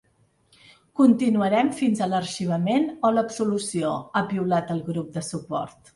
Continuarem fins a l’arxivament o l’absolució, ha piulat el grup de suport.